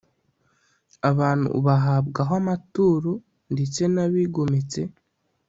abantu ubahabwaho amaturo, ndetse n'abigometse